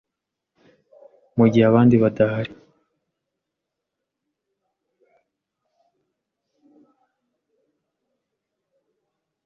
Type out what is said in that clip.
mu gihe abandi badahari.